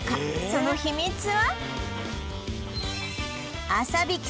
その秘密は？